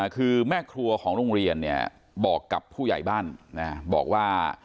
คือแม่ครัวของโรงเรียนบอกกับผู้ใหญ่บ้านบอกว่า